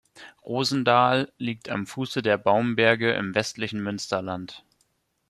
Rosendahl liegt am Fuße der Baumberge im westlichen Münsterland.